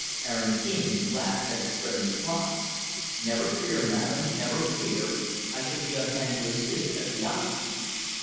Aaron King laughed as his friend replied, "Never fear, madam, never fear I shall be on hand to assist at the obsequies."